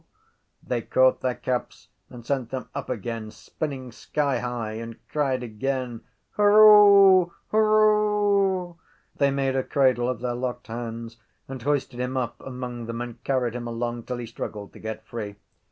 They caught their caps and sent them up again spinning skyhigh and cried again: —Hurroo! Hurroo! They made a cradle of their locked hands and hoisted him up among them and carried him along till he struggled to get free.